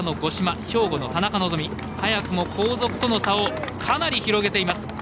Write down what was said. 兵庫の田中希実早くも後続との差をかなり広げています。